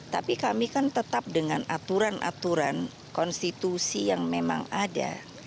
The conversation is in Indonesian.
tapi kami kan tetap dengan aturan aturan konstitusi yang memang ada